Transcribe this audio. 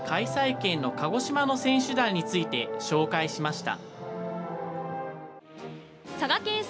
県の鹿児島の選手団について紹介しました。